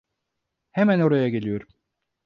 Hemen oraya geliyorum.